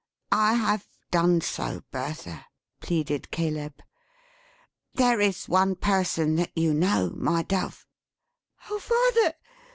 "I have done so, Bertha," pleaded Caleb. "There is one person that you know, my Dove " "Oh father!